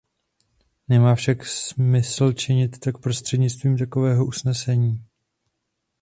Nemá však smysl činit tak prostřednictvím takovéhoto usnesení.